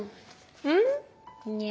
うん？